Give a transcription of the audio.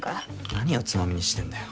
何をつまみにしてんだよ。